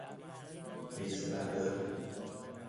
بیضه برداری